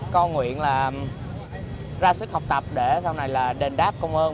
con nguyện là ra sức học tập để sau này là đền đáp công ơn